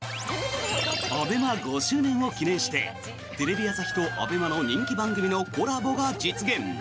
ＡＢＥＭＡ５周年を記念してテレビ朝日とＡＢＥＭＡの人気番組のコラボが実現！